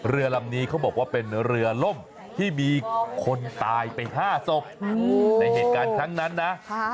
เรือลำนี้เขาบอกว่าเป็นเรือล่มที่มีคนตายไป๕ศพในเหตุการณ์ครั้งนั้นนะ